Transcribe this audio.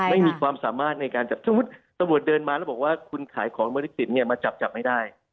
ไม่มีความสามารถในการจับสมมุติตำรวจเดินมาแล้วบอกว่าคุณขายของไม่ได้ติดเนี่ยมาจับจับไม่ได้